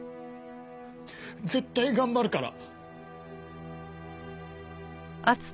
絶対頑張るから。